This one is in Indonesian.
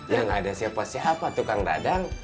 ya nggak ada siapa siapa tukang dadang